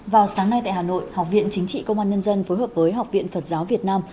vào sáng nay tại hà nội học viện chính trị công an nhân dân phối hợp với học viện phật giáo việt nam